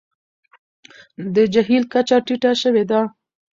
د جهیل کچه ټیټه شوې ده.